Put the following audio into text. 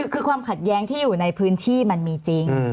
คือความขัดแย้งที่อยู่ในพื้นที่มันมีจริง